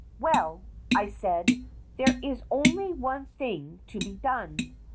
"Well," I said, "there is only one thing to be done.